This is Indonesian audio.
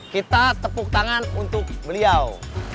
kita tepuk tangan untuk beliau